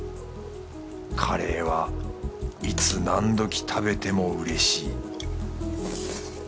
カレーはいつ何時食べても嬉しい。